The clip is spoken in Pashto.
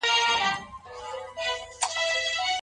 څه شي د انسان په کړنو کي د مسؤلیت احساس پیدا کوي؟